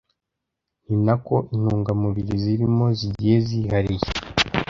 ni nako intungamubiri zirimo zigiye zihariye